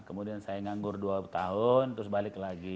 kemudian saya nganggur dua tahun terus balik lagi